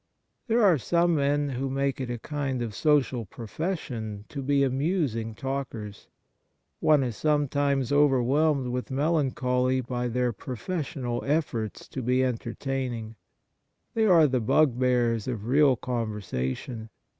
There are some men who make it a kind of social profession to be amusing talkers. One is sometimes overwhelmed with melancholy by their professional efforts to be entertaining. They are the bugbears of real conversation.